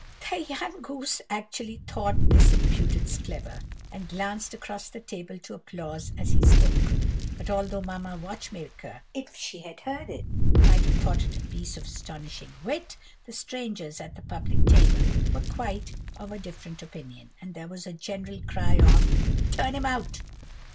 "The young goose actually thought this impudence clever, and glanced across the table for applause as he spoke. But although Mamma Watchmaker, if she had heard it, might have thought it a piece of astonishing wit, the strangers at the public table were quite of a different opinion, and there was a general cry of 'Turn him out!